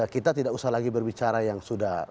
kita tidak usah lagi berbicara yang sudah